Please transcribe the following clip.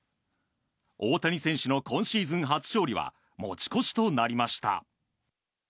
大谷選手の今シーズン初勝利は持ち越しとなりました。